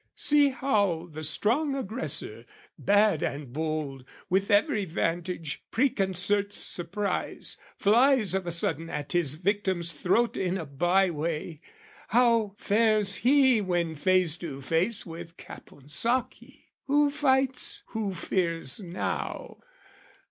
See how the strong aggressor, bad and bold, With every vantage, preconcerts surprise, Flies of a sudden at his victim's throat In a byeway, how fares he when face to face With Caponsacchi? Who fights, who fears now?